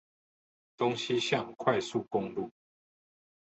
東西向快速公路